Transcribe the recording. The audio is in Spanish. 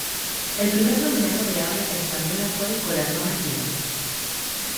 El primer nominado de habla española fue Corazón Aquino.